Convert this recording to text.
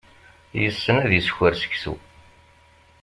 Yessen ad isker seksu.